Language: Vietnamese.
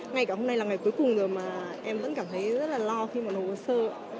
ngay cả hôm nay là ngày cuối cùng rồi mà em vẫn cảm thấy rất là lo khi mà nộp hồ sơ ạ